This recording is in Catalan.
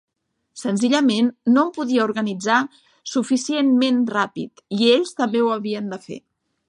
Senzillament no em podia organitzar suficientment ràpid, i ells també ho havien de fer.